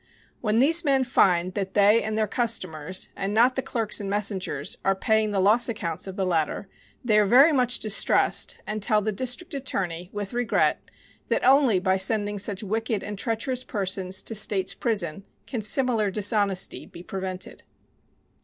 When these men find that they and their customers, and not the clerks and messengers, are paying the loss accounts of the latter, they are very much distressed, and tell the District Attorney, with regret, that only by sending such wicked and treacherous persons to State's prison can similar dishonesty be prevented.